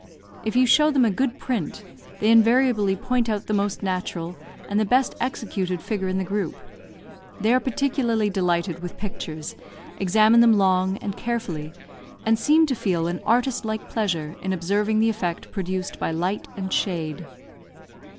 If you show them a good print, they invariably point out the most natural, and the best executed figure in the group. They are particularly delighted with pictures, examine them long, and carefully, and seem to feel an artist like pleasure in observing the effect produced by light and shade.